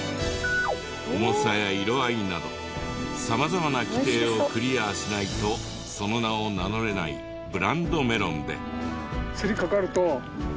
重さや色合いなど様々な規定をクリアしないとその名を名乗れないブランドメロンで。